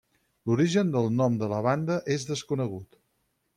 L'origen del nom de la banda és desconegut.